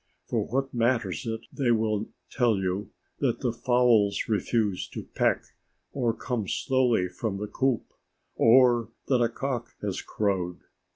For what matters it, they will tell you, that the fowls refuse to peck, or come slowly from the coop, or that a cock has crowed?